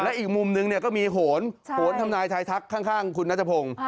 และอีกมุมหนึ่งก็มีหนหนทำนายท้ายทักข้างคุณนัฐพงษ์